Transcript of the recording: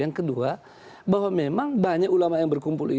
yang kedua bahwa memang banyak ulama yang berkumpul